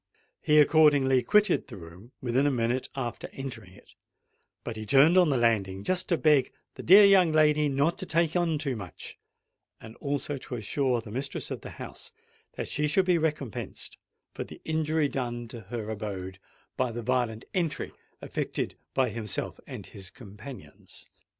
He accordingly quitted the room within a minute after entering it; but he turned on the landing just to beg "the dear young lady not to take on too much," and also to assure the mistress of the house that she should be recompensed for the injury done to her abode by the violent entry effected by himself and his companions.